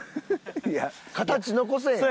いや形残せへん。